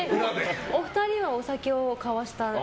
お二人は、お酒を交わした？